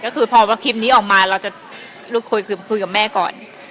คือที่พอพอคลิปนี้ออกมาเราก็คุยกับแม่ก่อน